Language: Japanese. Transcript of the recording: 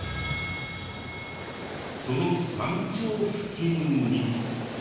その山頂付近に。